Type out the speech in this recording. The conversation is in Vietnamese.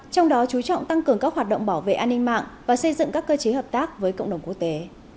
trong đó chú trọng tăng cường các hoạt động bảo vệ an ninh mạng và xây dựng các cơ chế hợp tác với cộng đồng quốc tế